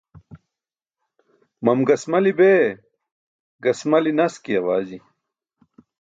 Mam gasmali bee gasmali naski awaji.